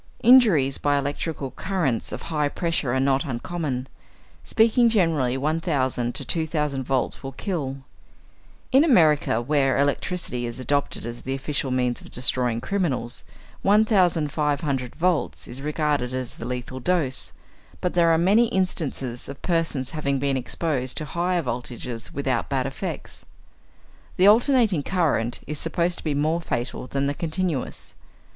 Injuries by electrical currents of high pressure are not uncommon; speaking generally, 1,000 to 2,000 volts will kill. In America, where electricity is adopted as the official means of destroying criminals, 1,500 volts is regarded as the lethal dose, but there are many instances of persons having been exposed to higher voltages without bad effects. The alternating current is supposed to be more fatal than the continuous.